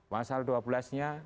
masalah dua pulasnya